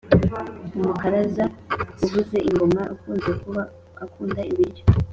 Umukaraza uvuza ingoma akunze kuba akunda ibiryo